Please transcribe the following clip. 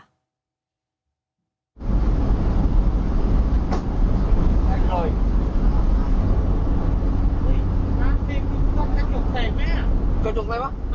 กระจกอะไรวะ